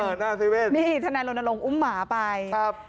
อ่าหน้าเซ็นเว่นนี่ธนายโรนโลงอุ้มหมาไปครับ